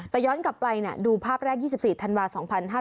แต่ย้อนกลับไปดูภาพแรก๒๔ธันวา๒๕๕๙